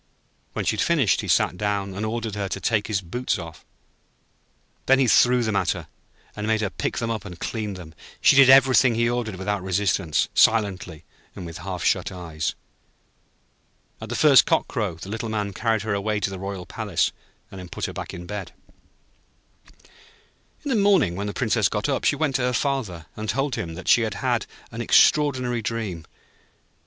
When she had finished, he sat down and ordered her to take his boots off. Then he threw them at her, and made her pick them up and clean them. She did everything he ordered without resistance, silently, and with half shut eyes. At the first cock crow, the Little Man carried her away to the royal palace, and put her back in bed. In the morning when the Princess got up, she went to her Father, and told him that she had had an extraordinary dream.